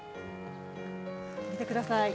見てください。